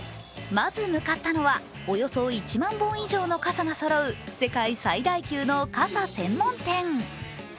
まず向かったのはおよそ１万本以上の傘がそろう世界最大級の傘専門店。